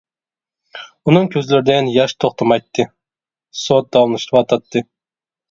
ئۇنىڭ كۆزلىرىدىن ياش توختىمايتتى. سوت داۋاملىشىۋاتاتتى.